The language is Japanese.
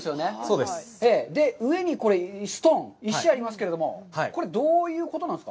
で、上にストーン、石がありますけれども、これ、どういうことなんですか？